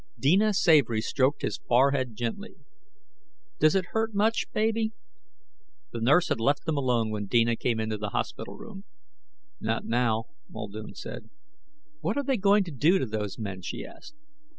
Deena Savory stroked his forehead gently. "Does it hurt much, baby?" The nurse had left them alone when Deena came into the hospital room. "Not now," Muldoon said. "What are they going to do to those men?" she asked.